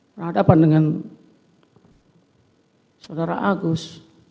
menghadapan dengan saudara agus